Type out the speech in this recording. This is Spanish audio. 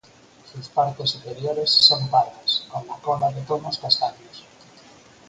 Sus partes superiores son pardas, con la cola de tonos castaños.